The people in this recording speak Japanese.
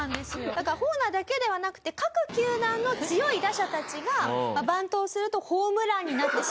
だからホーナーだけではなくて各球団の強い打者たちがバントをするとホームランになってしまう。